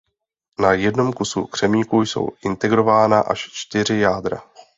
Na jednom kusu křemíku jsou integrována až čtyři jádra.